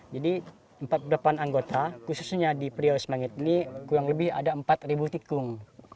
jadi empat puluh delapan anggota khususnya di prihaus mangit ini kurang lebih ada empat tikung